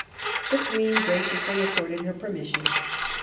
The Queen graciously accorded her permission.